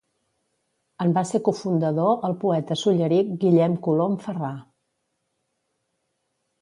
En va ser cofundador el poeta solleric Guillem Colom Ferrà.